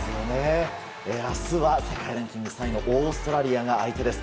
明日は世界ランキング３位のオーストラリアが相手です。